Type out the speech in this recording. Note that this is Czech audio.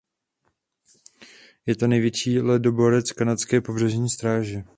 Je to největší ledoborec kanadské pobřežní stráže.